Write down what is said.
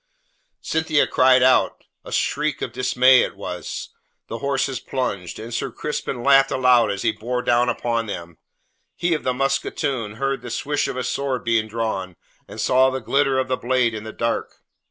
Cynthia cried out a shriek of dismay it was; the horses plunged, and Sir Crispin laughed aloud as he bore down upon them. He of the musketoon heard the swish of a sword being drawn, and saw the glitter of the blade in the dark.